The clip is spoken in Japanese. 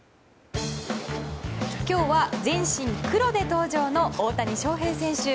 今日は全身黒で登場の大谷翔平選手。